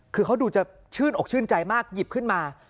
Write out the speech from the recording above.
คือเขาดูจะชื่นอกชื่นใจมากหยิบขึ้นมา